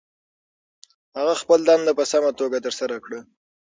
هغه خپله دنده په سمه توګه ترسره کړه.